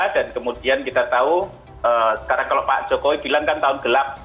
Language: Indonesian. dan kemudian kita tahu karena kalau pak jokowi bilang kan tahun gelap